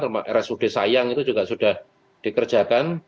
rsud sayang itu juga sudah dikerjakan